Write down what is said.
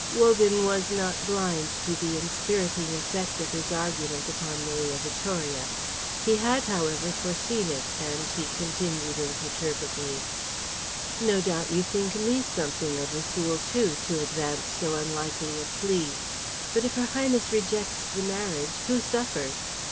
Wogan was not blind to the inspiriting effect of his argument upon Maria Vittoria. He had, however, foreseen it, and he continued imperturbably, "No doubt you think me something of a fool, too, to advance so unlikely a plea. But if her Highness rejects the marriage, who suffers?